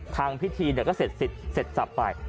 ทางพิธีเนี่ยก็เสร็จซิดเสร็จจับไป